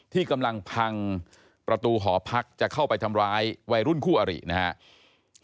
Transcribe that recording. ที่กำลังพังประตูหอพักจะเข้าไปทำร้ายวัยรุ่นคู่อรินะครับ